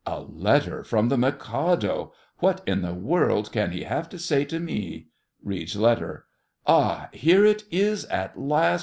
A letter from the Mikado! What in the world can he have to say to me? (Reads letter.) Ah, here it is at last!